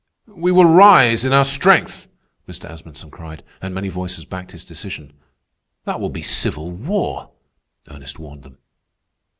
"We will rise in our strength!" Mr. Asmunsen cried, and many voices backed his decision. "That will be civil war," Ernest warned them.